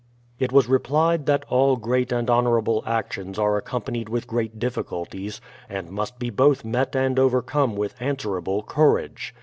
It was replied that all great and honourable actions are accompanied with great difficulties, and must be both met and overcome with answerable courage.